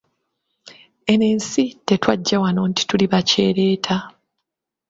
Eno ensi tetwajja wano nti tuli bakyereeta